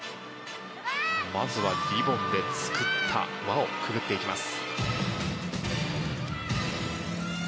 まずはリボンで作った輪をくぐっていきます。